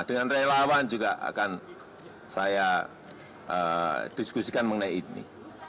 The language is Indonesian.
dengan relawan juga akan saya diskusikan mengenai ini